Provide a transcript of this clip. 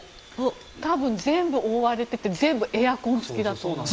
多分、全部覆われてて全部エアコン付きだと思う。